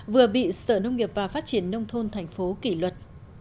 vừa bị sở nông nghiệp và phát triển nông thôn tp hcm kỷ luật